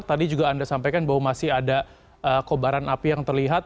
tadi juga anda sampaikan bahwa masih ada kobaran api yang terlihat